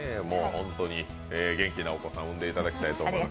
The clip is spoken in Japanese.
元気なお子さんを産んでいただきたいと思います。